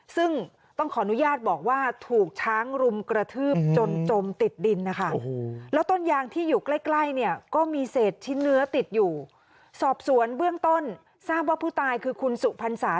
ซึ่งต้องขออนุญาตบอกว่าถูกช้างรุมกระทืบจนจมติดดินนะคะ